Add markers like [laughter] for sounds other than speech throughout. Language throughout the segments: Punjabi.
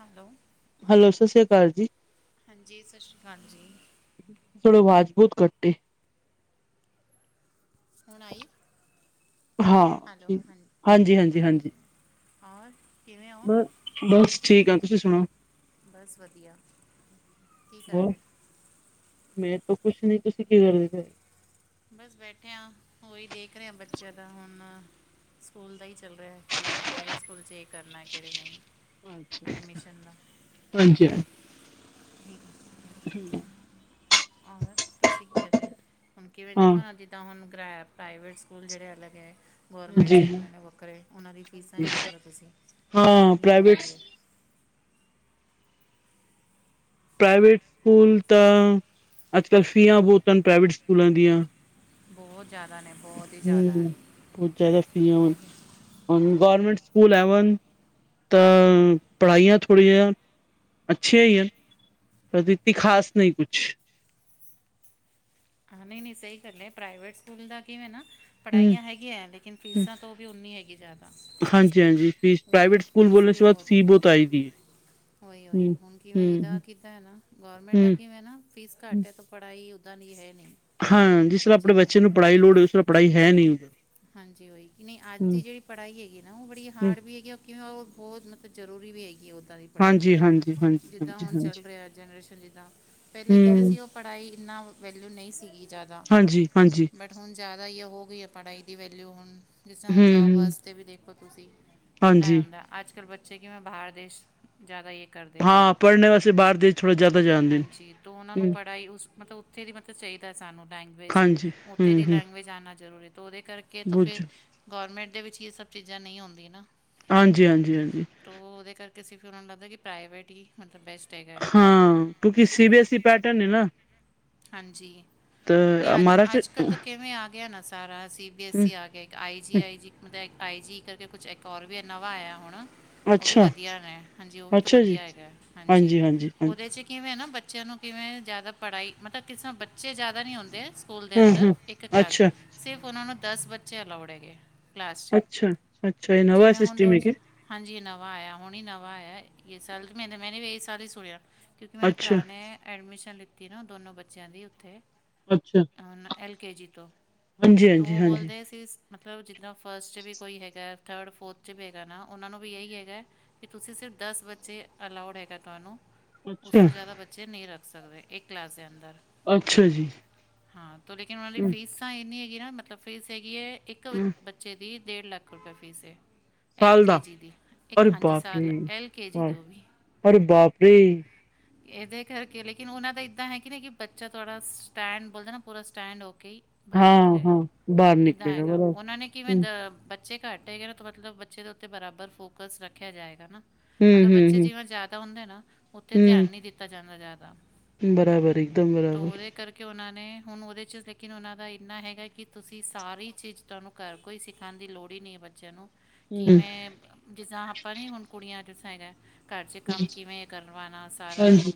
ਹੈਲੋ, ਹੈਲੋ, ਸਤਿ ਸ਼੍ਰੀ ਅਕਾਲ ਜੀ। ਹਾਂਜੀ। ਸਤਿ ਸ਼੍ਰੀ ਅਕਾਲ ਜੀ। ਥੜੋ ਮਜ਼ਬੂਤ ਘੱਟ ਐ। ਹੁਣਈ। ਹਾਂ। ਹਾਂਜੀ- ਹਾਂਜੀ- ਹਾਂਜੀ। ਹਾ। ਕਿਵੇਂ ਹੋ? ਬ ਬਸ ਠੀਕ ਆ ਤੁਸੀਂ ਸੁਣਾਓ ਬਸ ਵਧੀਆ। ਕੀ ਕਰਦੇ? ਮੇਰੇ ਤੋਂ ਕੁੱਛ ਨੀ, ਤੁਸੀਂ ਕੀ ਕਰਦੇ ਪਏ? ਬਸ ਬੈਠੇ ਆ। ਹੋਹੀ ਦੇਖ ਰਿਹਾ ਬੱਚਿਆਂ ਦਾ ਹੁਣ। ਸਕੂਲ ਦਾ ਹੀ ਚੱਲ ਰਿਹਾ। ਕਿਵੇਂ ਕਿਹੜੇ ਸਕੂਲ 'ਚ ਇਹ ਕਰਨਾ, ਕਿਹੜੇ ਨਹੀਂ। ਅੱਛਾ। ਹਾਂਜੀ। ਠੀਕ। ਹੂ ਹੋਰ ਤੁਸੀਂ ਕੀਦੇ? ਹੁਣ ਕਿਵੇਂ ਹਾਂ ਦੇਖੋ ਅੱਜ ਤਾਂ ਹੁਣ, ਗ ਪ੍ਰਾਈਵੇਟ ਸਕੂਲ ਜਿਹੜੇ ਅਲੱਗ ਹੈ। ਗੌਰਮੈਂਟ ਹਾਂਜੀ ਸਕੂਲ ਨੇ ਵੱਖਰੇ। ਉਹਨਾਂ ਦੀ ਫੀਸਾਂ ਹੀ ਦੇਖ ਲਓ, ਤੁਸੀਂ ਹਾਂ ਕਿੰਨੀ ਹੋ ਪ੍ਰਾਈਵੇਟ ਗਈ ਹੈ। ਪ੍ਰਾਈਵੇਟ ਸਕੂਲ ਤਾਂ, ਅੱਜ ਕੱਲ੍ਹ ਫੀਆਂ ਬਹੁਤ ਹਨ ਪ੍ਰਾਈਵੇਟ ਸਕੂਲਾਂ ਦੀਆਂ। ਬਹੁਤ ਜਿਆਦਾ ਨੇ। ਬਹੁਤ ਹੀ ਜ਼ਿਆਦਾ ਹੈ ਹੂ, ਬਹੁਤ ਜ਼ਿਆਦਾ ਫੀ ਹੈ। ਹਾਂ ਗੌਰਮੈਂਟ ਸਕੂਲ ਹੈਵ ਤਾਂ ਪੜ੍ਹਾਈਆਂ ਥੋੜ੍ਹੀਆਂ, ਜਿਹੀਆਂ ਅੱਛੀਆਂ ਹੈ ਹੀਆਂ। ਪ੍ਰਤੀ ਖਾਸ ਨਹੀਂ ਕੁਛ। ਹਾਂ, ਨਹੀਂ- ਨਹੀਂ ਸਹੀ ਗੱਲ ਹੈ। ਪ੍ਰਾਈਵੇਟ ਸਕੂਲ ਦਾ ਕਿਵੇਂ ਨਾ ਹੂੰ ਪੜ੍ਹਾਈਆਂ ਹੈਗੀਆਂ। ਲੇਕਿਨ ਫੀਸਾਂ ਤੋਂ ਵੀ ਉਨੀ ਹੈਗੀ ਜ਼ਿਆਦਾ। ਹਾਂਜੀ -ਹਾਂਜੀ। ਫੀਸ ਉਹੀ ਪ੍ਰਾਈਵੇਟ ਸਕੂਲ ਫੀਸ ਬੋਲਣੇ ਤੋਂ ਬਾਅਦ ਫੀ ਬਹੁਤ ਆਏਗੀ ਹੈ। ਉਈ ਹੋਈ। ਹੂੰ ਹੁਣ ਕਿਵੇਂ ਇਹਦਾ ਹੂੰ ਕਿ ਕੀਤਾ ਹੈ। ਨਾ ਗੌਰਮੈਂਟ ਦਾ ਹੂੰ ਕਿਵੇਂ ਨਾ। ਫੀਸ ਹੂੰ। ਘੱਟ ਹੈ ਤਾਂ ਪੜ੍ਹਾਈ ਉੱਦਾਂ ਦੀ ਹੈ ਨਹੀਂ। ਹਾਂ, ਜਿਸ ਤਰ੍ਹਾਂ ਆਪਣੇ ਜਿਵੇਂ ਬੱਚੇ ਨੂੰ ਪੜ੍ਹਾਈ ਲੋੜ ਉਸ ਤਰ੍ਹਾਂ ਪੜ੍ਹਾਈ ਹੈ ਨਹੀਂ ਉਧਰ। ਹਾਂਜੀ। ਉਹੀ, ਕਿ ਨਹੀਂ ਅੱਜ ਹੂੰ। ਦੀ ਜਿਹੜੀ ਪੜ੍ਹਾਈ ਹੈਗੀ ਨਾ ਉਹ ਬੜੀ ਹੂੰ ਹਾਰਡ ਵੀ ਹੈਗੀ ਕਿਂ ਉਹ ਬਹੁਤ ਮਤਲਬ ਜ਼ਰੂਰੀ ਵੀ ਹੈਗੀ ਆ ਉੱਦਾਂ ਦੀ ਪੜ੍ਹਾਈ। ਹਾਂਜੀ ਹਾਂਜੀ ਹਾਂਜੀ ਜਿੱਦਾਂ ਹਾਂਜੀ। ਹੁਣ ਹਾਂਜੀ। ਚੱਲ ਰਿਹਾ ਜਨਰੇਸ਼ਨ ਜਿੱਦਾਂ। ਪਹਿਲੇ ਕਿਵੇਂ ਹੂੰ ਸੀ ਉਹ ਪੜ੍ਹਾਈ, ਇੰਨਾ ਵੈਲਊ ਨਹੀਂ ਸੀਗੀ ਜ਼ਿਆਦਾ। ਹਾਂਜੀ ਹਾਂਜੀ ਬ ਹੁਣ ਜ਼ਿਆਦਾ ਹੀ ਆ ਹੋ ਗਈ ਆ ਪੜ੍ਹਾਈ ਦੀ ਵੈਲਿਊ ਹੁਣ। ਜਿਸ ਤ੍ਹਾਂ ਹੁਣ ਹੂੰ ਜੋਬ ਹੂੰ ਵਾਸਤੇ ਵੀ ਦੇਖੋ ਤੁਸੀਂ ਕਿੰਨਾ ਹੀ ਹਾਂਜੀ। ਹੁੰਦਾ। ਅੱਜ ਕੱਲ੍ਹ ਬੱਚੇ ਕਿਵੇਂ ਬਾਹਰ ਦੇਸ਼ ਜ਼ਿਆਦਾ ਇਹ ਕਰਦੇ ਹਾਂ, ਪੜ੍ਹਨੇ ਵਾਸਤੇ ਬਾਹਰ ਦੇਸ਼ ਥੋੜਾ ਜ਼ਿਆਦਾ ਜਾਣਦੇ ਨੇ। ਹਾਂਜੀ। ਤੋ ਉਹਨਾਂ ਨੂੰ ਹੂੰ। ਪੜ੍ਹਾਈ ਉਸ ਮਤਲਬ ਉੱਥੇ ਦੀ ਮਤਲਬ ਚਾਹੀਦਾ ਸਾਨੂੰ ਲੈਂਗੁਏਜ। ਹਾਂਜੀ ਹੂੰ ਓਥੇ ਦੀ ਹੂੰ ਲੈਂਗਏਜ ਆਨਾ ਜ਼ਰੂਰੀ ਤੋ ਓਦੇ ਕਰਕੇ ਤੋ ਬੁਝ ਫਿਰ ਗੋਰਮੈਂਟ ਦੇ ਵਿੱਚ ਯੇ ਸਭ ਚੀਜ਼ਾਂ ਨਈ ਓਂਦੀ ਨਾ। ਹਾਂਜੀ, ਹਾਂਜੀ, ਹਾਂਜੀ। ਤੋ ਓਦੇ ਕਾਰਕੇ ਅਸੀ ਫਿਰ ਓਨਾਂ ਨੂੰ ਲੱਗਦਾ ਕਿ ਪ੍ਰਾਈਵੇਟ ਈ ਮਤਲਬ ਬੇਸਟ ਹੈਗਾ ਹਾਂ ਕਿਉਂਕਿ C B S E pattern ਹੈ ਨਾ [unintelligible] ਹਾਂਜੀ, ਨੀ ਤਾਂ ਅੱਜ ਆੱਜ-ਕੱਲ ਤਾ ਮਹਾਰਾਸ਼ਟਰ ਕਿਵੇਂ ਆ ਗੇਆ ਨਾ ਸ ਸਾਰਾ ਸੀ ਬੀ ਐੱਸ ਸੀ ਆਗੇਆ ਇੱਕ, ਆਈ ਜੀ ਆਈ ਜੀ ਹੁਦਾਂ ਏਕ ਆਈ ਜੀ ਕਰਕੇ ਕੁਛ ਏਕ ਹੋਰ ਵੀ ਨਵਾ ਆਏਆ ਹੁਣ ਓ ਵੀ ਅੱਛਾ ਵਦੀਆ ਨੇ ਹਾਂਜੀ, ਓ ਵੀ ਤਾ ਅੱਛਾ ਜੀ ਵਦੀਆ ਹੈਗਾ। ਹਾਂਜੀ, ਓਦੇ ਚ ਕਿਵੇਂ ਨਾ ਬੱਚੇਆਂ ਨੂੰ ਕਿਵੇਂ ਜਾਦਾ ਪੜਾਈ ਮਤਲਬ ਕਿਸ ਤਰਾਂ ਬੱਚੇ ਜਾਦਾ ਨੀ ਹੋਂਦੇ, ਸਕੂਲ ਦੇ ਹੂੰ ਅੰਦਰ ਹੂੰ ਇੱਕ ਕਲਾਸ ਅੱਛਾ ਸਿਰਫ ਓਨਾਂ ਨੂੰ ਦਸ ਬੱਚੇ ਅਲਾਊਡ ਹੈਗੇ ਕਲਾਸ ਚ, ਅੱਛਾ ਅੱਛਾ ਇਹ ਨਵਾਂ ਜਿਵੇਂ ਹੁਨ ਸਿਸਟਮ ਹੈ ਦੂਜ ਕਿ ਹਾਂਜੀ ਨਵਾਂ ਆਏਆ ਹੁਣ ਈ ਨਵਾਂ ਆਏਆ, ਰਿਜਲਟ ਮੇ [unintelligible] ਏਹ ਸਾਲ ਈ ਸੁਣੇਆ। ਕਯੁਂਕਿ ਮੇਰੇ ਅੱਛਾ ਪਰਾ ਨੇ ਐਡਮਿਸ਼ਨ ਲਿੱਤੀ ਨਾ ਦੋਨੋਂ ਬੱਚੇਆਂ ਦੀ ਉੱਥੇ। ਅੱਛਾ ਐਲ ਕੇ ਜੀ ਤੋ ਹਾਂਜੀ ਤੋ ਹਾਂਜੀ ਓ ਹਾਂਜੀ ਬੋਲਦੇ ਸੀਸ ਮਤਲਬ ਜਿੱਦਾਂ ਫਸਟ ਚ ਵੀ ਕੋਈ ਹੈਗਾ। ਥਡ, ਫੋਥ ਚ ਵੀ ਹੈਗਾ ਨਾ, ਓਨਾਂ ਨੂੰ ਵੀ ਏਈ ਹੈਗਾ ਕਿ ਤੂਸੀ ਸਿਰਫ ਦਸ ਬੱਚੇ ਅਲਾਊਡ ਹੈਗਾ ਤੋਆਨੂੰ ਉਸ ਅੱਛਾ ਤੋ ਜਾਦਾ ਬੱਚੇ ਨਈ ਰੱਖ ਸਕਦੇ, ਏਕ ਕਲਾਸ ਦੇ ਅੰਦਰ। ਅੱਛਾ ਜੀ ਹਾਂ, ਤੋ ਲੇਕਿਨ ਓਨਾਂ ਦੀ ਹੂੰ ਫੀ਼ਸ ਤਾਂ ਏਨੀ ਹੈਗੀ ਨਾ ਮਤਲਬ ਫ਼ੀਸ ਹੈਗੀ ਐ, ਇੱਕ ਹੂੰ ਬੱਚੇ ਦੀ ਡੇਡ ਲਾੱਖ ਰੁਪੇ ਫ਼ੀਸ ਏ। ਐਲ ਸਾਲ ਕੇ ਦਾ ਜੀ ਦੀ, ਇੱਕ ਅਰੇ ਹਾਂਜੀ ਬਾਪ ਰੇ ਸਾਲ ਐਲ ਕੇ ਜੀ ਹਾਂ ਦੀ ਓ ਵੀ। ਅਰੇ ਬਾਪ ਰੇ [inaudible] ਏਦੇ ਕਰਕੇ ਲੇਕਿਨ ਓਨਾਂ ਦਾ ਇਦਾਂ ਹੈ ਕਿ ਨਾ, ਕਿ ਬੱਚਾ ਤੋਆਡਾ ਸਟੈਂਡ ਬੋਲਦਾ ਨਾ, ਪੂਰਾ ਸਟੈਂਡ ਹੋ ਕੇ ਈ ਬਾਹਰ ਹਾਂ ਨਿਕਲੇਗਾ ਹਾਂ ਓ, ਬਾਹਰ ਏਦਾਂ ਨਿਕਲੇਗਾ ਹੈਗਾ ਬਰਾਬ ਓਨਾਂ ਨੇ ਕਿਵੇਂ ਦ ਹੂੰ ਬ ਬੱਚੇ ਘਾੱਟ ਹੈਗੇ ਨਾ ਥੋੜਾ, ਥੋੜਾ ਬੱਚੇ ਦੇ ਉਤੇ ਬਰਾਬਰ ਫੋਕਸ ਰੱਖੇਆ ਜਾਏਗਾ ਨਾ, ਹੂੰ ਅਗਰ ਹੂੰ ਬੱਚੇ ਹੂੰ ਜਿਵੇਂ ਜਾਦਾ ਹੋਂਦਾ ਨਾ, ਉੱਥੇ ਧੇਆਨ ਨੀ ਹੂੰ ਦਿੱਤਾ ਜਾਂਦਾ ਜਾਦਾ। ਬਰਾਬਰ ਇੱਕਦਮ ਬਰਾਬਰ ਕਿ ਓਨਾਂ ਨੇ ਹੁਨ ਓਦੇ ਚ ਲੇਕਿਨ ਓਨਾਂ ਦਾ ਏਨਾ ਹੈਗਾ ਕਿ ਤੁਸੀ ਸਾਰੀ ਚੀਜ਼ ਤੋਆਨੂੰ ਘੱਰ ਕੋਈ ਸਿਖਾਨ ਦੀ ਲੋੜ ਈ ਨੀ ਏ ਬੱਚੇਆਂ ਨੂੰ ਹੂੰ ਕਿਵੇਂ ਜਿੱਸਤਾ ਆਪਾਂ ਨੀ ਹੁਨ ਕੁੜੀਆਂ ਜਿੱਸਤਾ ਹੈਗਾ, ਘੱਰ ਚ ਕਾੰਮ ਕਿਵੇਂ ਕਰਵਾਨਾ ਸਾਰਾ, ਹਾਂਜੀ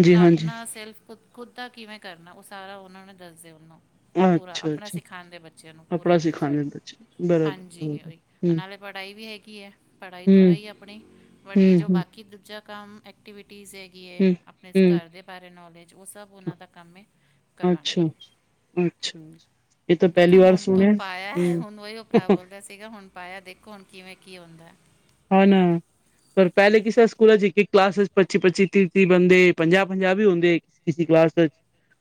ਹਾਂਜੀ ਹਾਂਜੀ ਆਪਨਾ ਸੇਲਫ ਖੁਦ ਦਾ ਕਿਵੇਂ ਕਰਨਾ ਓ ਸਾਰਾ ਓਨਾਂ ਨੂੰ ਦੱਸਦੇ ਓਨੂੰ ਪੂਰਾ ਅੱਛਾ ਆਪਣਾ ਅੱਛਾ ਸਿਖਾਂਦੇ ਬੱਚੇਆਂ ਨੂੰ ਪੂਰਾ ਕੱਪੜਾ ਏ ਟੂ ਜੈਡ, ਸਿਖਾਂਦੇ ਬੱਚੇ ਬਰਾਬਰ ਹੂੰ ਹਾਂਜੀ ਓਈ ਹੂੰ ਨਾਲੇ ਪੜਾਈ ਵੀ ਹੈਗੀ ਐ, ਪੜਾਈ ਤੋ ਹੈ ਹੂੰ ਈ ਆਪਣੀ ਬਟ ਯੇ ਜੋ ਹੂੰ ਬਾਕੀ ਦੂਜਾ ਕਾੰਮ ਐਕਟੀਵਿਟੀਜ਼ ਏ। ਏ ਹੂੰ ਆਪਨੇ ਹੂੰ ਘਰ ਦੇ ਬਾਰੇ ਨੋਲੇਜ ਓ ਸਭ ਓਨਾਂ ਦਾ ਕੰਮ ਏ ਕਰਵਾਨਾ ਅੱਛਾ ਅੱਛਾ ਇਹ ਤਾਂ ਪਹਿਲੀ ਦੇਖੋ ਵਾਰ ਹੁਨ ਤੋ ਸੁਣਿਆ ਪਾਏਆ ਹੈ ਹੂੰ ਹੁਨ ਓਈਓ ਪਰਾ ਬੋਲ ਰੇਆ ਸੀ। ਤੇ ਐ ਹੁਨ ਪਾਏਆ ਦੇਖੋ ਹੁਨ ਕਿਵੇਂ ਕੀ ਹੋਂਦੈ। ਹਾਂ ਨਾ, ਪਰ ਪੈਲੇ ਕਿਸੇ ਸੂਕੂਲ ਚ ਇੱਕ, ਇੱਕ ਕਲਾਸ ਚ ਪੱਚੀ, ਪੱਚੀ ਤੀ ਤੀ ਬੰਦੇ ਪੰਜਾਹ, ਪੰਜਾਹ ਵੀ ਹੁੰਦੇ ਕਿਸੀ ਕਲਾਸ ਵੇਚ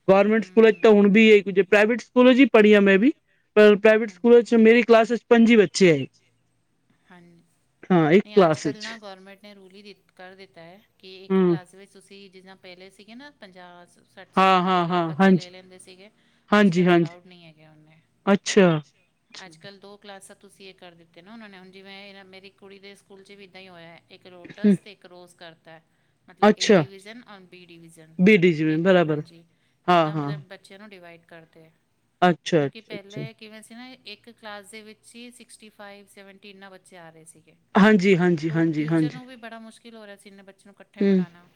ਗੋਰਮੈਂਟ ਹੂੰ ਸਕੂਲ ਚ ਹੂੰ ਤੇ ਹੁਨ ਨਹੀਂ ਵੀ ਏਈ ਕੁਜ ਏ, ਪ੍ਰਾਈਵੇਟ ਸਕੂਲ ਚ ਪੜੀ ਆਂ ਮੈਂ ਵੀ ਪਰ ਪ੍ਰਾਈਵੇਟ ਹਾਂਜੀ ਸਕੂਲ ਚ ਮੇਰੀ ਕਲਾਸ ਏਚ ਪੰਜੀ ਬੱਚੇ ਐ। ਹਾਂਜੀ, ਇੱਕ ਨੀ ਕਲਾਸ ਆੱਜ-ਕਾੱਲ ਵਿੱਚ ਨਾ ਗੋਰਮੈਂਟ ਨੇ ਰੂਲ ਈ ਕਰ ਦਿੱਤਾ ਏ, ਕਿ ਏਕ ਹੂੰ ਕਲਾਸ ਵਿੱਚ ਤੂਸੀ ਜਿੱਦਾਂ ਪੈਲੇ ਸੀਗੇ ਨਾ ਪੰਜਾਹ ਸ ਸੱਠ ਸਾੱਠ ਹਾਂ ਬੰਦੇ ਹਾਂ ਲੇ ਹਾਂ ਬੱਚੇ ਲੇ ਹਾਂਜੀ ਲੈਂਦੇ ਸੀਗੇ, ਹਾਂਜੀ ਆੱਜ-ਕਾੱਲ ਹਾਂਜੀ ਅਲਾਊਡ ਨਈ ਹੈਗੇ ਓਨੇ। ਅੱਛਾ। ਆੱਜ-ਕਾੱਲ ਦੋ ਕਲਾਸਾਂ ਤੂਸੀ ਏ ਕਰ ਦਿੱਤੇ ਨਾ ਓਨਾਂ ਨੇ ਹੁਨ, ਜਿਵੇਂ ਏ ਮੇਰੀ ਕੁੜੀ ਦੇ ਸਕੂਲ ਚ ਵੀ ਇਦਾਂ ਈ ਹੋਏਆ ਐ। ਇੱਕ ਲੋਟਸ, ਤੇ ਇੱਕ ਰੋਜ਼ ਕਾਰ ਤੈ। ਮਤਲਬ ਏ ਅੱਛਾ division on B division B ਡੀ ਜੀ ਇਕ ਬਰਾਬਰ ਹਾਂਜੀ, ਹਾਂ ਇਦਾਂ ਹਾਂ ਮਤਲਬ ਬੱਚੇਆ ਨੂੰ ਡਿਵਾਈਡ ਕਰਤੈ, ਅੱਛਾ ਕਿਉਂਕਿ ਅੱਛਾ ਅੱਛਾ ਪਹਿਲੇ ਕਿਵੇਂ ਸੀ ਨਾ, ਇਕ ਕਲਾਸ ਦੇ ਵਿਚ ਹੀ ਸਿਕਸਟੀ ਫਾਈਵ, ਸੈਵਨਟੀ ਇਨਾਂ ਬੱਚੇ ਆ ਰਹੇ ਸੀਗੇ। ਹਾਂਜੀ, ਹਾਂਜੀ। ਤੋ ਹਾਂਜੀ ਟੀਚਰ ਹਾਂਜੀ ਨੂੰ ਵੀ ਬੜਾ ਮੁਸ਼ਕਿਲ ਹੋ ਰਿਆ ਸੀ, ਇੰਨੇ ਬੱਚੇ ਨੂੰ ਇਕੱਠੇ ਹੂੰ ਪੜਾਨਾ।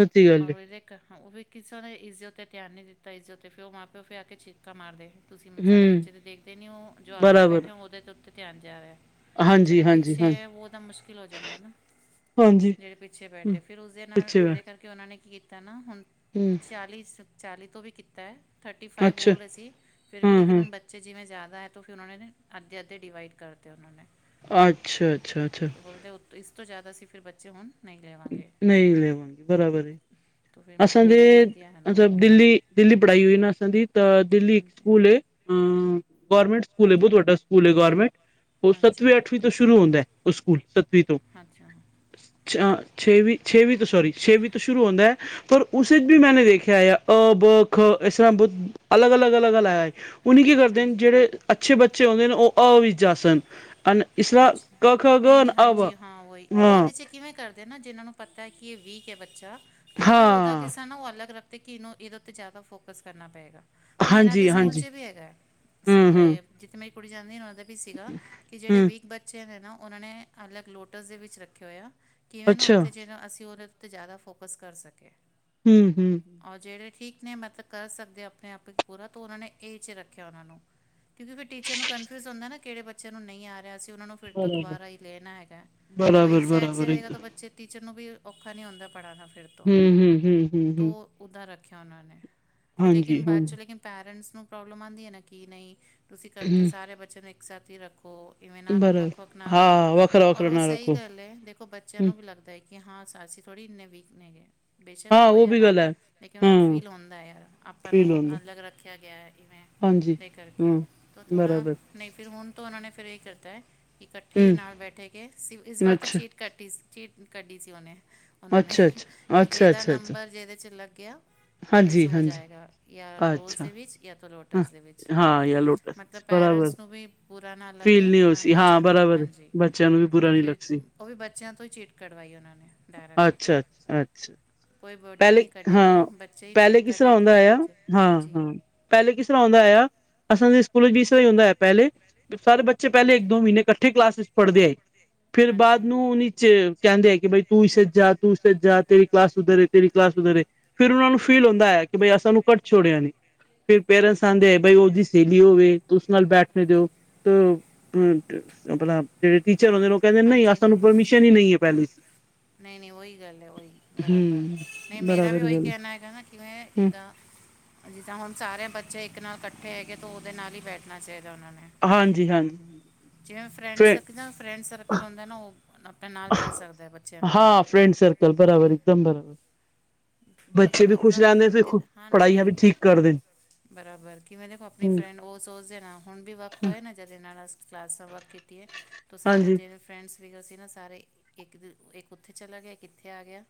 ਸੱਚੀ ਗੱਲ ਔਂਵੇ ਵੇਖ ਓ ਵੀ ਕਿਸੇ ਨੇ ਈਜ਼ਤ ਤੇ ਧੇਆਨ ਨੀ ਦਿੱਤਾ, ਈਜ਼ਤ ਤੇ ਫੇਓ ਮਾਂ ਪੇਓ ਫੇ ਆ ਕੇ ਚ [unintelligible] ਕਮਾ ਦੇ, ਤੂਸੀ ਸਾਡੇ ਹੂੰ, ਬੱਚੇ ਨੂੰ ਦੇਖਦੇ ਨੀ ੳ ਜੋ ਅਗੇ ਬਰਾਬਰ ਬੈਠਾ ਓਹਦੇ ਦੇ ਉਤੇ ਧਿਆਨ ਜਾ ਰਿਹਾ। ਜਿਹੜੇ ਹਾਂਜੀ-ਹਾਂਜੀ, ਪਿੱਛੇ ਹਾਂ, ਏ, ਓਦਾ ਮੁਸ਼ਕਿਲ ਹੋ ਜਾਂਦਾ ਨਾ। ਹਾਂਜੀ ਜੇੜੇ ਪਿੱਛੇ ਹੂੰ ਬੈਠੇ, ਫੇਰ ਉਸਦੇ ਨਾਲ ਪਿੱਛੇ ਵਾ ਏਦੇ ਕਰਕੇ ਕਿ ਓਨਾਂ ਨੇ ਕੀਤਾ ਨਾ ਹੁਨ ਹੂੰ, ਚਾਲੀ ਸ ਚਾਲੀ ਤੋਂ ਵੀ ਕੀਤਾ। ਥਰਟੀ ਫਾਈਵ ਅੱਛਾ ਬੋਲ ਰਹੇ ਸੀ, ਫਿਰ ਵੀ ਲੇਕਿਨ ਹਾਂ-ਹਾਂ, ਹੁਨ ਬੱਚ ਬੱਚੇ ਜਿਵੇਂ ਜਿਆਦਾ ਹੈ ਤੋ ਫਿਰ ਓਨਾਂ ਨੇ ਅੱਧੇ, ਅੱਧੇ ਡਿਵਾਈਡ ਕਰ ਤੇ ਓਨਾਂ ਨੇ ਅੱਛਾ, ਅੱਛਾ, ਅੱਛਾ। ਤਾਂ ਬੋਲਦੇ ਉ ਇਸ ਤੋ ਜਾਦਾ ਸੀ ਫੇਰ ਬੱਚੇ ਹੋਨ ਨਈ ਲੈਵਾਂਗੇ, ਬਰਾਬਰ ਏ। [unintelligible] [unintelligible] [inaudible] ਫੇਰ ਹੈ ਨਾ ਅੱਛਾ ਦਿੱਲੀ-ਦਿੱਲੀ ਪੜ੍ਹਾਈ ਹੋਈ ਨਾ ਅਸਾ ਦੀ ਤੇ ਦਿੱਲੀ ਇੱਕ ਹਾਂਜੀ ਸਕੂਲ ਹੈ ਹੁ ਗੌਰਮੈਂਟ ਸਕੂਲ ਹੈ ਬਹੁਤ ਵੱਡਾ ਸਕੂਲ ਹੈ ਗੌਰਮੈਂਟ ਉਹ ਹਾਂਜੀ ਸੱਤਵੀਂ ਅੱਠਵੀਂ ਤੋਂ ਸ਼ੁਰੂ ਹੁੰਦਾ ਉਹ ਸਕੂਲ ਸੱਤਵੀਂ ਤੋਂ ਅੱਛਾ ਅ ਛੇਵੀ-ਛੇਵੀ ਤੋਂ ਸੋਰੀ ਛੇਵੀ ਤੋਂ ਸ਼ੁਰੂ ਹੋਂਦਾ ਪਰ ਉਸੇ ਚ ਵੀ ਮੈਂਨੇ ਦੇਖਿਆ ਅ ਬ ਖ ਇਸ ਤਰ੍ਹਾਂ ਬਹੁਤ ਅਲਗ-ਅਲਗ ਅਲਗ ਹੂਨ ਕੀ ਕਰਦੇ ਕਿ ਹਾਂਜੀ ਜੇਹੜੇ ਅੱਛੇ ਬੱਚੇ ਹੂੰਦੇ ਉਹ ਅ ਵਿਚ ਜਾਸਣ ਅਨ ਇਸਲਾ ਅੱਛਾ ਕ ਖ ਨਹੀਂ ਗ ਨਹੀਂ ਅ ਬ ਹਾਂਜੀ ਹਾਂ ਵਹੀ ਉਹ ਹਾਂ ਉਹਦੇ 'ਚ ਕਿਵੇਂ ਕਰਦੇ ਨਾ ਜਿਹਨਾਂ ਨੂੰ ਪਤਾ ਹੈ ਕਿ ਇਹ ਵੀਕ ਹੈ ਬੱਚਾ ਤੋ ਫਿਰ ਉਹਦਾ ਹਾਂ ਕਿਸਾ ਨਾ ਉਹ ਅਲੱਗ ਰੱਖ ਤੇ ਕਿਹਨੂੰ ਇਹਦੇ ਉੱਤੇ ਜ਼ਿਆਦਾ ਫੋਕਸ ਕਰਨਾ ਪਏਗਾ ਹੁਨ ਇਹਨਾਂ ਦੇ ਹਾਂਜੀ ਸਕੂਲ ਹਾਂਜੀ ਚ ਵੀ ਹੈਗਾ ਹੂੰ ਹੂੰ ਏ ਜਿੱਥੇ ਮੇਰੀ ਕੁੜੀ ਜਾਂਦੀ ਓਦੇ ਵੀ ਸੀਗਾ, ਕਿ ਜੇੜੇ ਹੂੰ ਵੀਕ ਬੱਚੇ ਨੇ ਨਾ ਓਨਾਂ ਨੇ ਅਲਗ ਲੋਟਸ ਦੇ ਵਿਚ ਰੱਖੇ ਹੋਏ‌ ਆ, ਕਿਵੇਂ ਨਾ ਅੱਛਾ ਉਥੇ ਜੇੜਾ ਅਸੀ ਓਦੇ ਤੇ ਜਿਆਦਾ ਫੋਕਸ ਕਰ ਸਕੇ ਹੂੰ, ਹੂੰ। ਓ ਜੇੜੇ ਠੀਕ ਨੇ ਮਤਲਬ ਕਰ ਸਕਦੇ ਅਪਨੇ ਆਪ ਪੂਰਾ, ਤਾਂ ਓਨਾਂ ਨੇ ਏ ਚ ਰੱਖੇਆ ਓਨਾਂ ਨੂੰ ਕਿਉਂਕਿ ਫਿਰ ਟੀਚਰ ਨੂੰ ਕਨਫਿਊਜ਼ ਹੁੰਦਾ ਨਾ, ਕਿਹੜੇ ਬੱਚੇ ਨੂੰ ਨਹੀ ਆ ਰਿਹਾ ਅਸੀ ਓਨਾਂ ਨੂੰ ਫਿਰ ਤੋ ਬਰਾਬਰ ਦੋਬਾਰਾ ਈ ਲੈਨਾ ਹੈਗਾ, ਤੋ ਇਕ ਬਰਾਬਰ ਸਾਈਡ ਬਰਾਬਰ ਰਹੇਗਾ ਇੱਕਦਮ ਤੋ ਬੱਚੇ ਟੀਚਰ ਨੂੰ ਵੀ ਔਖਾ ਨੀ ਹੋਂਦਾ ਪੜਾਨਾ ਫਿਰ ਤੋਂ, ਹੂੰ ਹੂੰ ਹੂੰ ਹੂੰ ਹੂੰ ਤੋ ਉਦਾ ਰੱਖਿਆ ਓਨਾਂ ਨੇ, ਫਿਰ ਲੇਕਿਨ ਹਾਂਜੀ ਬਾਦ ਹਾਂਜੀ ਚੋਂ ਲੇਕਿਨ ਪੈਰੈਂਟਸ ਨੂੰ ਪ੍ਰੋਬਲਮ ਆਂਦੀ ਏ ਨਾ ਕਿ ਨਈ ਤੂਸੀ ਕੱਠੇ ਹੂੰ ਸਾਰੇ ਬੱਚਿਆਂ ਨੂੰ ਇਕ ਸਾਥ ਹੀ ਰੱਖੋ, ਇਵੇਂ ਨਾ ਬਰਾਬਰ ਵੱਖ, ਵੱਖ ਨਾ ਰੱਖੋ, ਹਾਂ ਵੱਖਰਾ ਔਰ ਵੱਖਰਾ ਓ ਨਾ ਸਈ ਰੱਖੋ ਗਲ ਏ ਦੇਖੋ ਬੱਚ ਬੱਚੇਆਂ ਨੂੰ ਵੀ ਲੱਗਦੈ, ਕਿ ਹਾਂ ਅਸੀ ਥੋੜੀ ਇਨੇ ਵੀਕ ਨੇਗੇ। ਬੇਸ਼ੱਕ ਹਾਂ ਹੋਏ ਉਹ ਯਾ ਵੀ ਨਾ, ਗੱਲ ਹੈ ਲੇਕਿਨ ਓਨਾਂ ਨੂੰ ਹੂੰ ਫੀਲ ਹੋਂਦਾ ਏ ਆਪਾਂ ਨੂੰ ਅਲਗ ਰਖਿਆ ਗਿਆ ਇਵੇਂ ਦੇ ਕਰਕੇ ਤੋਂ ਥੋੜਾ ਨਹੀਂ ਫਿਰ ਹੁਨ ਤਾਂ ਉਹਨਾਂ ਨੇ ਫਿਰ ਇਹੀ ਕੀਤਾ ਕੀ ਇਕੱਠੇ ਹੀ ਨਾਲ ਬੈਠੇ ਕੇ ਇਸ ਵਾਰ ਤੋਂ ਚੀਟ ਕੱਟੀ ਚ ਕੱਢੀ ਸੀ ਉਹਨੇ [unintelligible] ਉਹਨਾਂ ਨੇ ਕਿ ਜਿਹਦਾ ਨੰਬਰ ਜਿਹਦੇ ਚ ਲੱਗਿਆ ਉਹਦੇ ਚ ਹੋ ਜਾਏਗਾ ਯਾ ਰੋਜ਼ ਦੇ ਵਿੱਚ ਜਾਂ ਤ ਲੋਟਸ ਦੇ ਵਿੱਚ ਮਤਲਬ ਪੇਰੈਂਟਸ ਨੂੰ ਵੀ ਬੁਰਾ ਨਾ ਲੱਗੇ ਨਾ ਬ ਹਾਂਜੀ ਬੱਚਿਆਂ ਨੂੰ ਵੀ ਬੁਰਾ ਤੋਂ ਨੀ ਫੇਰ ਲੱਗਸੀ ਉਹ ਵੀ ਬੱਚਿਆਂ ਤੋਂ ਹੀ ਚਿੱਟ ਕਵਾਈ ਉਹਨਾਂ ਨੇ ਪੈਰੈਨਟ ਅੱਛਾ ਅੱਛ ਪਹਿਲੇ ਨਹੀਂ ਕੱਢੇਗੇ ਹਾਂ ਬੱਚੇ ਹੀ ਪਹਿਲੇ ਚੀਟ ਕਿਸ ਤਰ੍ਹਾਂ ਹੋਂਂਦਾ ਕੱਢੇਗੇ ਫਿਰ ਆਇਆ ਉਹ 'ਚ- ਹਾਂਜੀ ਹਾਂ-ਹਾਂ ਪਹਿਲੇ ਕਿਸ ਤਰ੍ਹਾਂ ਹਉੁਦਾ ਆ ਅਸਾਂ ਦੇ ਸਕੂਲ ਚ ਵੀ ਇਸ ਤਰ੍ਹਾਂ ਹੁੰਦਾ ਏ ਪਹਿਲੇ ਸਾਰੇ ਬੱਚੇ ਪਹਿਲੇ ਇੱਕ ਦੋ ਮਹੀਨੇ ਇਕੱਠੇ ਕਲਾਸ ਚ ਪੜ੍ਹਦੇ ਆਏ ਫੇਰ ਬਾਅਦ ਹਾਂਜੀ ਨੂੰ ਉਹ ਵਿੱਚ ਕਹਿੰਦੇ ਆ ਕਿ ਬਈ ਤੂੰ ਇਸੇ ਜਾ ਤੂੰ ਇਸੇ ਜਾ ਤੇਰੀ ਕਲਾਸ ਉੱਧਰ। ਤੇਰੀ ਕਲਾਸ ਉਦਰ ਹੈ ਫਿਰ ਉਹਨਾਂ ਨੂੰ ਫੀਲ ਹੁੰਦਾ ਕਿ ਅਸਾਂ ਸਾਨੂੰ ਕੱਢ ਛੋੜਿਆ ਨੀ। ਫਿਰ ਪੇਰੈਂਟਸ ਆਉਂਦੇ ਆ ਬਾਈ ਉਹਦੀ ਸਹੇਲੀ ਹੋਵੇ ਉਸ ਨਾਲ ਬੈਠਣੇ ਦਿਓ ਤੇ ਅ ਅਪਣਾ ਜਿਹੜੇ ਟੀਚਰ ਹੁੰਦੇ ਨੇ ਉਹ ਕਹਿੰਦੇ ਨਹੀਂ ਹਾਂਜੀ ਸਾਨੂੰ ਹਾਂ ਪਰਮਿਸ਼ਨ ਹੀ ਨਹੀਂ ਹੈ ਪਹਿਲੀ। ਨਹੀਂ ਨਹੀਂ ਉਹੀ ਗੱਲ ਹੈ ਉਹੀ ਬਰਾਬਰ ਹੂੰ, ਨਹੀਂ ਮੇਰਾ ਵੀ ਬਰਾਬਰ ਉਹੀ ਗੱਲ ਕਹਿਣਾ ਹੈਗਾ ਨਾ। ਕਿਵੇਂ ਕਿੱਦਾਂ। ਜਿਦਾ ਹੁਣ ਸਾਰੇ ਬੱਚੇ ਇੱਕ ਨਾਲ ਇਕੱਠੇ ਹੈਗੇ ਤੇ ਉਹਦੇ ਨਾਲ ਹੀ ਬੈਠਣਾ ਚਾਹੀਦਾ ਉਹਨਾਂ ਨੇ। ਹਾਂਜੀ ਹਾਂਜੀ ਜਿਵੇਂ ਫ ਫਰੈਂਡ ਸਕਦਾ ਫਰੈਂਡ ਕਰੋਂਦਾ ਹੁੰਦਾ ਨਾ ਉਹ ਆਪਣੇ ਨਾਲ ਬਹਿ ਸਕਦਾ ਹੈ ਬੱਚਿਆਂ ਦੇ ਨਾਲ। ਫ੍ਰੇਡ ਸਰਕਲ ਬਰਾਬਰ ਇੱਕਦਮ ਬਰਾਬਰ ਨ ਕੋੋ ਬੱਚੇ ਵੀ ਵੱਖਰਾ ਖੁਸ਼ ਰਹਿੰਦੇ ਵੱਖਰਾ ਫਿਰ ਕਿ ਹਾਂ ਨਾ ਪੜ੍ਹਾਈਆਂ ਵੀ ਉਹੀ ਠੀਕ ਕਰਦੇ ਬਰਾਬਰ ਕਿਵੇਂ ਦੇਖੋ ਆਪਣੀ ਫਰੈਂਡ ਉਸਦੇ ਨਾਲ ਹੁਣ ਵੀ ਵਰਕ ਹੋਇਏ ਨਾ ਜਿਦੇ ਨਾਲ ਅ ਕਲਾਸਾਂ ਵਰਕ ਕੀਤੀ ਹੈ ਤਾਂ ਸਾਰੇ ਹਾਂਜੀ ਜਿਵੇਂ ਫਰੈਂਡਸ ਵੀਗੈਰਾ ਸੀ ਨਾ ਸਾਰੇ ਇੱਕ ਦਿ ਇਹ ਉੱਥੇ ਚਲਾ ਗਿਆ ਕਿੱਥੇ ਆ ਗਿਆ।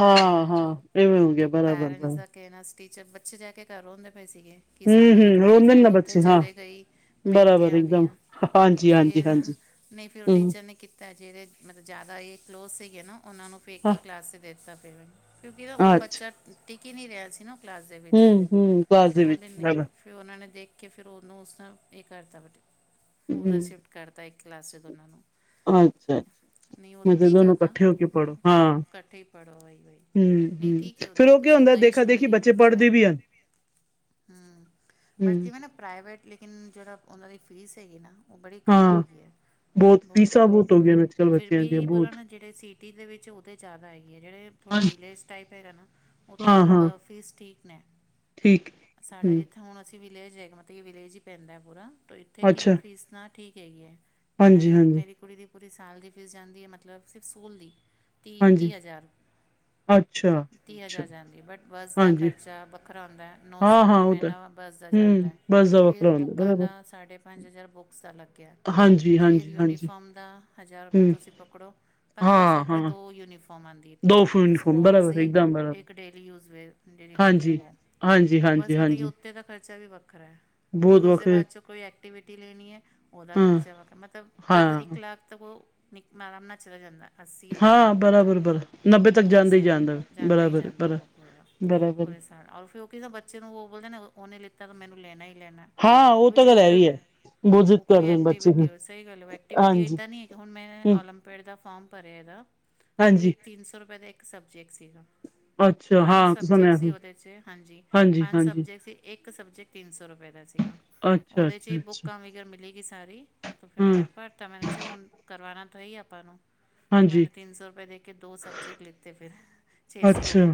ਹਾਂ ਹਾਂ। ਇਵੇਂ ਹੋ ਗਿਆ ਤੂੰ ਬਰਾਬਰ ਪੈਰੈਂਟਸ ਬਰਾਬਰ ਦਾ ਕਹਿਣਾ ਟੀਚਰ ਬੱਚੇ ਜਾ ਕੇ ਘ ਰ ਰੋਂਦੇ ਪਏ ਸੀਗੇ। ਕਿ ਸਾਨੂੰ ਮਤਲਬ ਮੇਰੀ ਫਰੈਂਡ ਉੱਥੇ ਚਲੇ ਗਈ ਮੈਂ ਇੱਥੇ ਆ ਗਈ ਹ ਹਾਂਜੀ ਹਾਂਜੀ ਫੇਰ। ਹਾਂਜੀ ਨਹੀਂ ਫੇਰ ਉਹ ਹੂੰ ਟੀਚਰ ਨੇ ਕੀਤਾ। ਤਾਂ ਜਿਹੜੇ ਮਤਲਬ ਜ਼ਿਆਦਾ ਇਹ ਕਲੋਜ਼ ਸੀਗੇ ਨਾ ਉਹਨਾਂ ਨੂੰ ਫਿਰ ਇੱਕ ਹੀ ਕਲਾਸ ਤੇ ਦੇ ਦਿੱਤਾ ਪਵੇ। ਉਹ ਅੱਛਾ ਬੱਚਾ ਟਿਕੀ ਨਹੀਂ ਰਿਹਾ ਸੀ ਨਾ ਕਲਾਸ ਦੇ ਵਿੱਚ ਹੂੰ ਹੂੰ ਕਲਾਸ ਤ ਦੇ ਵਿੱਚ ਬੋਲਦੇ ਨਹੀਂ। ਬਰਾਬਰ ਫਿਰ ਉਹਨਾਂ ਨੇ ਦੇਖ ਕੇ ਫਿਰ ਉਹਨੂੰ ਉਸਨ ਇਹ ਕਰਤਾ ਵ ਉਹਦਾ ਹੂੰ ਸਿਟ। ਕਰਤਾ ਇੱਕ ਕਲਾਸ ਚ ਦੋਹਨਾਂ ਨੂੰ। ਅੱਛਾ ਅੱਛਾ ਨਹੀਂ ਮਤਲਬ ਉੱਥੇ ਕਿ ਦੋਨੋ ਦਾ ਇਕੱਠੇ ਹੋ ਕੇ ਪੜ੍ਹੋ ਹਾਂ ਇਕੱਠੇ ਪੜ੍ਹੋ ਆਈ ਬਈ। ਹੂੰ ਨਹੀਂ ਠੀਕ ਹੂੰ ਹੈ ਫਿਰ ਉਓਦਾਂ ਉਹ ਕੀ ਕੁਛ ਹੁੰਦਾ ਇਦਨਾ ਦੇਖਾ ਇਸ਼ੂ ਦੇਖੀ ਨਹੀਂ ਹੈਗਾ ਬੱਚੇ ਅੱਛਾ ਪੜ੍ਹਦੇ ਹੈਗਾ। ਵੀ ਹਨ ਹਮ। ਹੂੰ ਬੱਚੇ ਕਿਵੇਂ ਨਾ ਪ੍ਰਾਈਵੇਟ ਲੇਕਿਨ ਜਿਹੜਾ ਉਹਨਾਂ ਦੀ ਫ਼ੀਸ ਹੈਗੀ ਨਾ। ਉਹ ਬੜੀ ਹਾਂ ਹੈਗੀ ਹੈ। ਬਹੁਤ ਫੀਸਾਂ ਹੈਗੀ ਹੈ ਹੋ ਗਈਆਂ ਨੇ ਅੱਜ ਕੱਲ੍ਹ ਫਿਰ ਬੱਚਿਆਂ ਦੀਆਂ ਵੀ ਬੋਲ ਬਹੁਤ ਨਾ। ਜਿਹੜੇ ਸਿਟੀ ਦੇ ਵਿੱਚ ਉਹਦੇ ਜ਼ਿਆਦਾ ਹੈਗੀ ਆ ਜਿਹੜੇ ਥੋੜ੍ਹਾ ਵਿਲੇਜ। ਟੈਪੈਡ ਹੇਨਾ ਉੱਥੇ ਹਾਂ ਤੋਂ ਵੀ ਬ ਹਾਂ ਫੀਸ ਠੀਕ ਨੇ ਠੀਕ ਸਾਡਾ ਹੂੰ ਜਿੱਥੇ। ਹੁਣ ਅਸੀਂ ਵਿਲੇਜ ਹੈ ਮਲਬ ਵਿਲੇਜ ਹੀ ਪੈਂਦਾ ਹੈ ਪੂਰਾ ਇੱਥੇ ਅੱਛਾ ਕਿਵੇਂ ਫੀਸ ਨਾ ਠੀਕ ਹੈਗੀ ਹੈ। ਇਹਨਾਂ ਹਾਂਜੀ ਦੀ ਹਾਂਜੀ ਮੇਰੀ ਕੁੜੀ ਦੀ ਪੂਰੀ ਸਾਲ ਦੀ ਫੀਸ ਜਾਂਦੀ ਹੈ ਮਤਲਬ ਸਿਰਫ ਸਕੂਲ ਦੀ ਤੀਹ ਹਾਂਜੀ ਤੀਹ ਹਜ਼ਾਰ। ਅੱਛਾ। ਤੀਹ ਅੱਛਾ ਹਜ਼ਾਰ ਜਾਂਦੀ ਹੈ ਬਟ ਬੱਸ ਦਾ ਹਾਂਜੀ ਖਰਚਾ ਵੱਖਰਾ ਹੁੰਦਾ ਨੌਸੌ ਹਾਂ ਹਾਂ ਰੁਪਇਆ ਉਹ ਤਾਂ ਮਹੀਨਾ ਬੱਸ ਦਾ ਹੂੰ ਜਾਂਦਾ। ਬਸ ਦਾ ਫਿਰ ਵੱਖਰਾ ਹੁੰਦਾ ਬੁੱਕਾਂ ਬਰਾਬਰ ਦਾ ਸਾਢੇ ਪੰਜ ਹਜ਼ਾਰ ਬੁੱਕਸ ਦਾ ਅਲੱਗ। ਹਾਂਜੀ, ਫਿਰ ਹਾਂਜੀ, ਹਾਂਜੀ ਯੂਨੀਫਾਰਮ ਦਾ ਹਜ਼ਾਰ ਰੁਪਇਆ ਹੂੰ, ਤੁਸੀਂ ਪਕੜੋ। ਪੰਦਰਾਂ ਸੌ ਹਾਂ, ਰੁਪਏ ਹਾਂ। ਦੋ ਯੂਨੀਫਾਰਮ ਆਂਦੀ ਪੀਏ ਇੱਕ। ਸਪੋਰਟਸ ਦੀ ਏਕ ਡੇਲੀ ਯੂਸ ਵੀਅਰ ਜੇਦੀ ਹੁੰਦੀ ਏ ਹਾਂਜੀ, ਵਾਰਮ ਹਾਂਜੀ, ਹਾਂਜੀ, ਬਸ ਮਤਲਬ। ਹਾਂਜੀ। ਉਤੇ ਦਾ ਖਰਚਾ ਵੀ ਵੱਖਰਾ ਹੈ ਫਿਰ ਬਹੁਤ ਉਸਦੇ ਵੱਖਰੇ ਬਾਅਦ ਚੋਂ ਕੋਈ ਐਕਟੀਵਿਟੀ ਲੇਨੀ ਐ। ਉਹਦਾ ਹਾਂ, ਖਰਚਾ ਵਾ ਕੇ ਮਤਲਬ ਮਤਲਬ ਇੱਕ ਹਾਂ। ਲੱਖ ਤੱਕ ਉਹ ਨਿਕ ਆਰਾਮ ਨਾਲ ਚਲਾ ਜਾਂਦਾ। ਅੱਸੀ ਹਾਂ ਨੱਬੇ ਤੱਕ ਬਰਾਬਰ ਬਰਾ ਨੱਬੇ ਤੱਕ ਪੂਰਾ ਜਾਂਦੇ ਹੀ ਸਾਲ ਦਾ ਜਾਂਦੇ ਜਾਂਦਾ ਹੀ ਬਰਾਬਰ ਜਾਂਦਾ ਬ ਉਹ ਪੂਰਾ ਬਰਾਬ। ਪੂਰੇ ਔਰ ਫਿਰ ਉਹ ਕਹੇਗਾ ਬੱਚੇ ਨੂੰ ਉਹ ਬੋਲਦੇ ਨਾ ਉਹਨੇ ਲਿੱਤਾ ਤਾਂ ਮੈਨੂੰ ਲੈਣਾ ਹੀ ਲੈਣਾ। ਹਾਂ ਉਹ ਵੀ ਤਾਂ ਜਿੱਦ ਗਾਲ ਹੈ ਈ ਕਰਦਾ ਹੈ। ਬਹੁਤ ਜ਼ਿੱਦ ਉਹ ਕੋਈ ਕਰਦੇ ਨੇ ਬੱਚੇ ਐਕਟੀਵਿਟੀ ਫਿਰ ਉਹ ਸਹੀ ਗੱਲ ਹੋ। ਐਕਟੀਵਿਟੀ ਹਾਂਜੀ, ਇੱਦਾਂ ਨਹੀਂ ਹੈ ਕਿ ਹੁਣ ਮੈਂ ਹੂੰ, ਓਲੰਪਿਡ ਦਾ ਫੋਮ ਭਰਿਆ ਇਹਦਾ। ਉਹ ਵੀ ਹਾਂਜੀ। ਇੱਕ ਤਿੰਨ ਸੌ ਰੁਪਏ ਦਾ ਇੱਕ ਸੁਬਜੈਕਟ ਸੀਗਾ। ਅੱਛਾ, ਪੰਜ ਹਾਂ ਸਬਜੈਕਟ ਸੁਣਿਆ ਸੀ ਉਹਦੇ ਚ ਹਾਂਜੀ। ਪੰਜ ਸਬਜੈਕਟ ਸੀ। ਇੱਕ ਸਬਜੈਕਟ ਤਿੰਨ ਸੌ ਰੁਪਏ ਦਾ ਸੀਗਾ। ਅੱਛਾ, ਉਹਦੇ ਚ ਹੀ ਅੱਛਾ, ਅੱਛਾ ਬੁੱਕਾਂ ਵਗਰ ਮਿਲੇਗੀ ਸਾਰੀ ਤੇ ਫੇਰ ਹਾਂ, ਮੈਨੇ। ਤਾਂ ਮੈਨੇ ਚ ਹੁਣ ਕਰਵਾਉਣਾ ਤਾਂ ਹੀ ਆਪਾਂ ਨੂੰ। ਤਾਂ ਹਾਂਜੀ, ਮੈਨੇ ਤਿੰਨ ਸੌ ਰੁਪਏ ਦੇ ਕੇ ਦੋ ਸੁਬਜੈਕਟ ਲਿੱਤੇ ਫਿਰ। ਛੇ ਸੌ ਹੋ ਅੱਛਾ। ਗਏ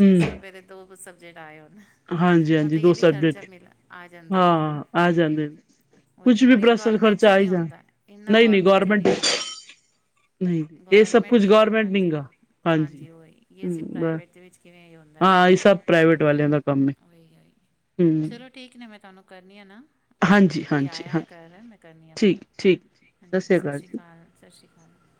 ਛੇ ਸੌ ਰੁਪਏ ਦੇ ਦੋ ਕੁ ਸਬਜੈਕਟ ਆਏ। ਉਹਨੇ। ਹਾਂਜੀ, ਮਤਲਬ ਹਾਂਜੀ ਦੋ ਇਹ ਵੀ ਖਰਚਾ ਸਬਜੈਕਟ ਮਿਲ ਆ ਜਾਂਦੇ ਹਾਂ ਫਿਰ। ਆ ਜਾਂਦੇ ਨੇ। ਉਹੀ ਔਰ ਇਹ ਗਰਮੈਂਟ ਚ' ਨਹੀਂ ਹੁੰਦਾ। ਇਨਾ ਗੌਰਮੈਂਟ ਚ' ਨਹੀਂ ਹੁੰਦਾ। ਨਹੀਂ ਇਹ ਸਭ ਗਰਮੈਂਟ ਕੁਛ ਕਿਵੇਂ ਗੌਰਮੈਂਟ ਨਹੀਂ ਹਾਂਜੀ। ਗਾ ਹਾਂਜੀ। ਉਹੀ, ਅਸੀ ਬ ਪ੍ਰਾਈਵੇਟ ਦੇ ਵਿੱਚ ਕਿਵੇਂ ਹੁੰਦਾ ਹਾਂ ਇਹ ਸਾਰਾ। ਸਭ ਪ੍ਰਾਈਵੇਟ ਵਾਲਿਆਂ ਦਾ ਕੰਮ ਹੈ ਵਹੀ- ਵਹੀ ਹਮ ਚਲੋ ਠੀਕ ਨੇ। ਮੈਂ ਤੁਹਾਨੂੰ ਕਰਨੀ ਹ ਨਾ। ਹਾਂਜੀ ਕੋਈ ਹਾਂਜੀ ਆਇਆ ਹਾਂ ਹੈ ਘਰ, ਮੈਂ ਕਰਨੀ ਹਾਂ ਫਿਰ। ਠੀਕ ਠੀਕ ਹਾਂਜੀ, ਸ੍ਰੀ ਸਤਿ ਸ਼੍ਰੀ ਜੀ ਅਕਾਲ। ਸਤਿ ਸ਼੍ਰੀ ਅਕਾਲ।